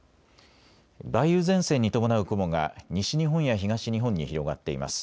梅雨前線に伴う雲が西日本や東日本に広がっています。